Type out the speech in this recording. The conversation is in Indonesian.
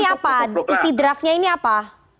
istri draftnya ini apa